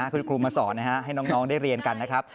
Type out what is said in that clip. คุณครูมาสอนให้น้องได้เรียนกันนะครับ